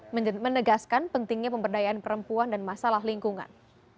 menegaskan pentingnya pemberdayaan perempuan dan masalah lingkungan